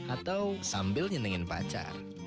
atau sambil nyendingin pacar